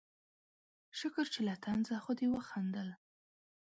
شکر چې له طنزه خو دې وخندل